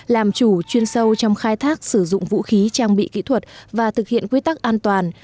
làm chủ chuyên sâu trong khai thác sử dụng vũ khí trang bị kỹ thuật và thực hiện quy tắc an toàn